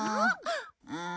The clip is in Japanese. うん。